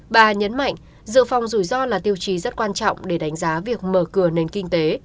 bà nhấn mạnh dự phòng rủi ro là tiêu chí rất quan trọng để đánh giá việc mở cửa nền kinh tế